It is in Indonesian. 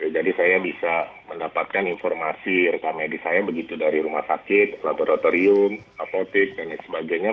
jadi saya bisa mendapatkan informasi reka medis saya begitu dari rumah sakit laboratorium apotek dan sebagainya